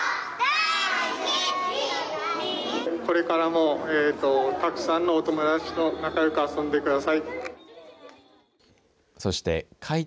これからもたくさんのお友達と仲良く遊んでください。